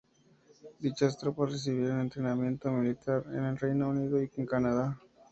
Dichas tropas recibieron entrenamiento militar en el Reino Unido y en Canadá.